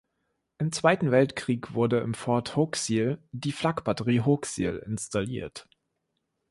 Im Zweiten Weltkrieg wurde im Fort Hooksiel die Flakbatterie Hooksiel installiert.